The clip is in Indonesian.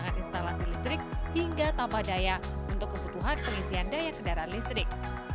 menggunakan instalasi listrik hingga tambah daya untuk kebutuhan pengisian daya kendaraan listrik